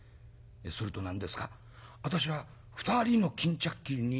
「すると何ですか私は２人の巾着切りに狙われていた？」。